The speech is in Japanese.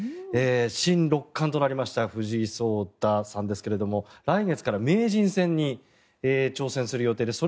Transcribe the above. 新六冠となりました藤井聡太さんですけれども来月から名人戦に挑戦する予定です。